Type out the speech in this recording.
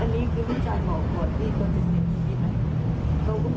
อันนี้คือพี่ชายบอกว่าที่เขาจะเสียที่ไหน